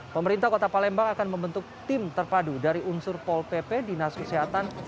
pemerintah kota palembang akan membentuk tim terpadu dari unsur pol pp dinas kesehatan